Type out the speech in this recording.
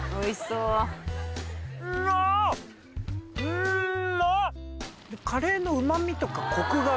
うんまっ！